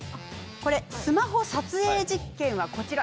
「スマホ撮影実験はこちら」。